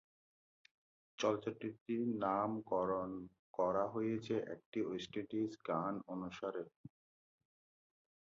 চলচ্চিত্রটির নামকরণ করা হয়েছে একটি ওয়েস্ট ইন্ডিয় গান অনুসারে।